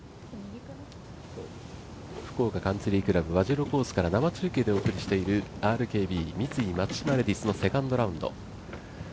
福岡カンツリー倶楽部和白コースから生中継でお送りしているＲＫＢ×三井松島レディスのセカンドラウンド。